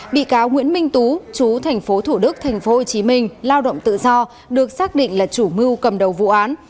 bị cáo nguyễn minh tú chú thành phố thủ đức thành phố hồ chí minh lao động tự do được xác định là chủ mưu cầm đầu vụ án